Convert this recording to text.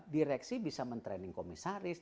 direksi bisa mentraining komisaris